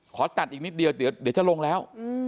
ขอตัดอีกนิดเดียวเดี๋ยวจะลงแล้ว